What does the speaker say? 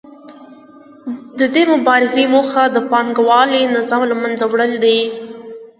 د دې مبارزې موخه د پانګوالي نظام له منځه وړل دي